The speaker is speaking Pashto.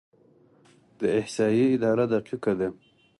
د احصایې اداره دقیقه ده؟